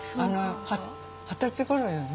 二十歳ごろよね？